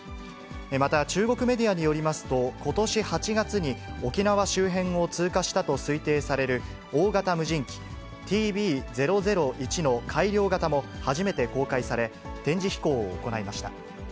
また、中国メディアによりますと、ことし８月に沖縄周辺を通過したと推定される大型無人機、ＴＢ００１の改良型も初めて公開され、展示飛行を行いました。